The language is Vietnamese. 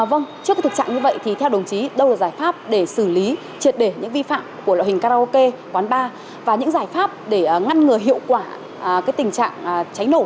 vâng trước cái thực trạng như vậy thì theo đồng chí đâu là giải pháp để xử lý triệt để những vi phạm của loại karaoke quán bar và những giải pháp để ngăn ngừa hiệu quả tình trạng cháy nổ